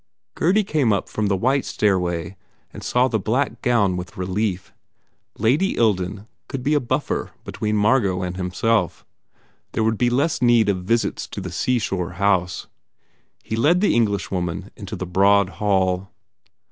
Gurdy came up the white stairway and saw the black gown with relief. Lady Ilden could be a buffer between Margot and himself. There would be less need of visits to the seashore house. He led the Englishwoman into the broad hall.